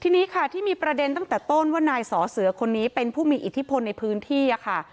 ทีนี้ค่ะที่มีประเด็นตั้งแต่ต้นว่านายสอเสือคนนี้เป็นผู้มีอิทธิพลในพื้นที่ค่ะ